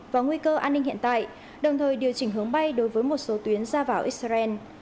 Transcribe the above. và nguy cơ an ninh hiện tại đồng thời điều chỉnh hướng bay đối với một số tuyến ra vào israel